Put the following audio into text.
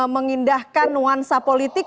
mengindahkan nuansa politik